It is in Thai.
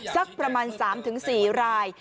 สักประมาณ๓๔ราย